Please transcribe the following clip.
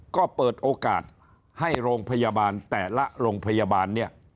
ก็เปิดโอกาสให้โรงพยาบาลแต่ละโรงพยาบาลเนี่ย